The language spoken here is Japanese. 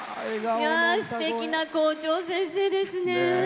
すてきな校長先生ですね。